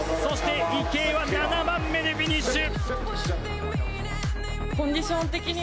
池江は７番目でフィニッシュ。